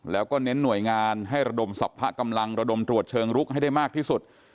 แล้วก็เน้นหน่วยงานให้ระดมสรรพกำลังระดมตรวจเชิงลุกให้ได้มากที่สุด